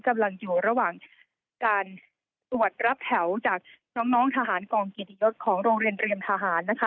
กำลังอยู่ระหว่างการตรวจรับแถวจากน้องทหารกองเกียรติยศของโรงเรียนเตรียมทหารนะคะ